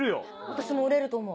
私も売れると思う。